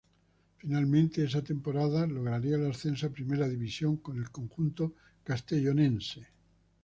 Finalmente, esa temporada lograría el ascenso a Primera División con el conjunto castellonense.